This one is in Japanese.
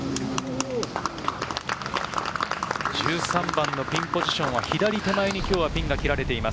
１３番のピンポジションは左手前に今日はピンが切られています。